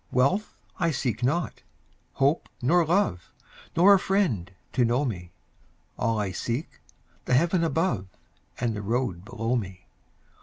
Wealth I seek not, hope nor love, Nor a friend to know me; All I seek, the heaven above And the road below me.